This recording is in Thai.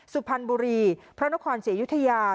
สุพรรณบุรีพระนครศรีอยุธยา